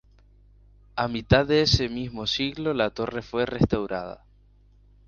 A mitad de ese mismo siglo la torre fue restaurada.